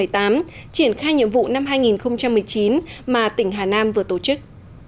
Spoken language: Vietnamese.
triển khai nhiệm vụ năm hai nghìn một mươi chín mà tỉnh hà nam vừa tổ chức